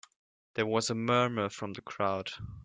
There was a murmur from the crowd.